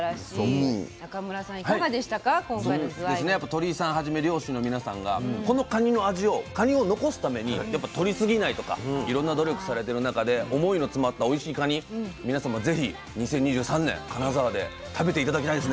鳥井さんはじめ漁師の皆さんがこのかにの味をかにを残すためにとりすぎないとかいろんな努力されてる中で思いの詰まったおいしいかに皆さんもぜひ２０２３年金沢で食べて頂きたいですね。